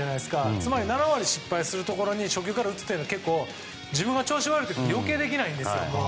つまり７割失敗するところ初球から打つのは自分が調子悪い時って余計できないんですよ。